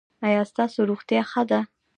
ایا ستاسو روغتیا ښه ده؟